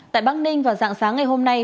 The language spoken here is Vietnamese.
tại bắc ninh vào dạng sáng ngày hôm nay